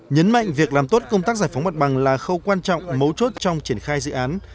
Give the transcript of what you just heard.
nhấn mạnh việc làm tốt công tác giải phóng mặt bằng là khâu quan trọng mấu chốt trong triển khai dự án